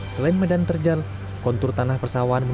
selain medan terjal kontur tanah persawaan menunjukkan